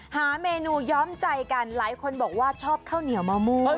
หาเมนูย้อมใจกันหลายคนบอกว่าชอบข้าวเหนียวมะม่วง